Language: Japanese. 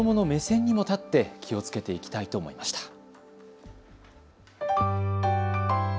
子どもの目線にも立って気をつけていきたいと思いました。